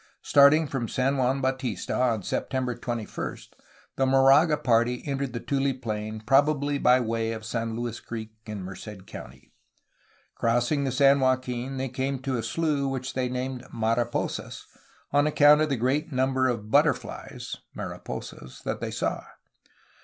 Starting from San Juan Bautista on September 21 the Moraga party entered the tule plain, probably by way of San Luis Creek in Merced County. Crossing the San Joaquin they came to a slough which they named '^Mariposas" on account of the great number of but terflies (mariposas) that they saw.